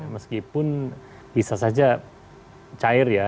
meskipun bisa saja cair ya